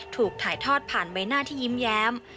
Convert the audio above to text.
ถูกถ่ายทอดผ่านใบหน้าที่ยิ้มแย้ม